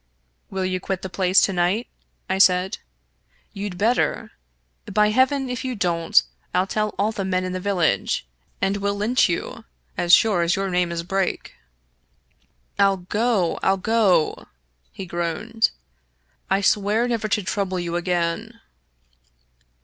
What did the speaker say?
"Will you quit the place to night?" I said. "You'd better. By heaven, if you don't, Fll tell all the men in the village, and we'll lynch you, as sure as your name is Brake." " I'll go— Fll go," he groaned. " I swear never to trouble you again."